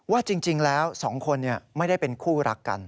ว่าจริงแล้วสองคนไม่ได้เป็นคู่รักกัน